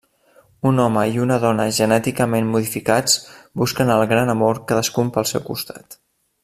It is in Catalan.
Un home i una dona genèticament modificats busquen el gran amor cadascun pel seu costat.